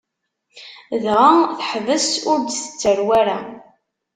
Dɣa, teḥbes ur d-tettarew ara.